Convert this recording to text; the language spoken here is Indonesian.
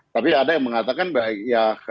tapi ada yang mengatakan ya